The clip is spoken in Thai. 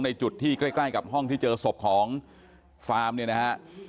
จุดที่ใกล้กับห้องที่เจอศพของฟาร์มเนี่ยนะฮะ